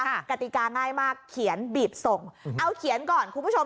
กติกาง่ายมากเขียนบีบส่งเอาเขียนก่อนคุณผู้ชม